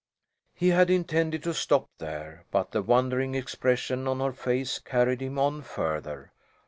He had intended to stop there, but the wondering expression on her face carried him on further.